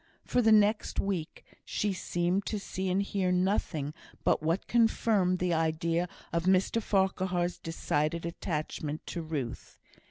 For the next week, she seemed to see and hear nothing but what confirmed the idea of Mr Farquhar's decided attachment to Ruth.